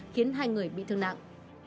khiến hai người bị thương nặng